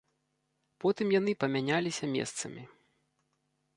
Потым яны памяняліся месцамі.